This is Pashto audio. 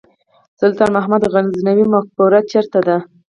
سلطان محمود غزنوي مقبره چیرته ده؟